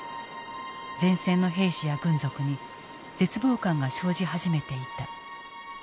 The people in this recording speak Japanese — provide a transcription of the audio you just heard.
前線の兵士や軍属に絶望感が生じ始めていた。